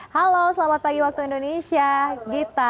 halo selamat pagi waktu indonesia gita